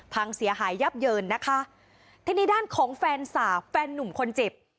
พังเสียหายยับเยินนะคะทีนี้ด้านของแฟนสาวแฟนนุ่มคนเจ็บ